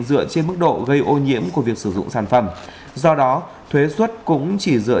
dựa trên mức độ gây ô nhiễm của việc sử dụng sản phẩm do đó thuế xuất cũng chỉ dựa